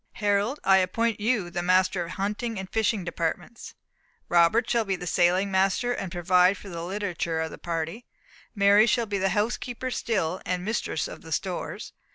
"Harold, I appoint you master of the hunting and fishing departments. "Robert shall be sailing master, and provide for the literature of the party. "Mary shall be housekeeper still, and mistress of the stores.